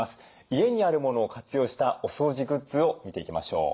家にあるものを活用したお掃除グッズを見ていきましょう。